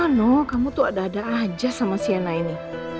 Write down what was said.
mana kamu tuh ada ada aja sama sienna ini